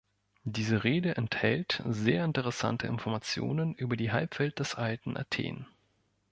Diese Rede enthält sehr interessante Informationen über die Halbwelt des alten Athen.